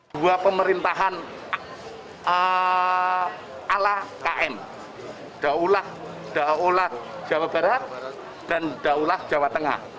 dua pemerintahan ala km daulah jawa barat dan daulah jawa tengah